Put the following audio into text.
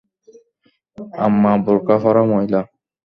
আম্মা বোরকা পরা মহিলা?